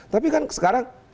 tapi kan sekarang